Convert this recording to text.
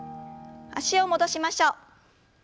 脚を戻しましょう。